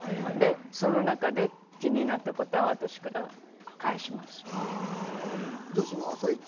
その中で気になったことは私から返しますって。